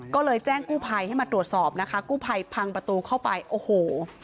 ก็เลยแจ้งกู้ภัยให้มาตรวจสอบนะคะกู้ภัยพังประตูเข้าไปโอ้โห